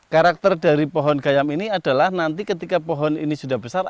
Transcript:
karakter dari pohon gayam ini adalah nanti ketika pohon ini sudah besar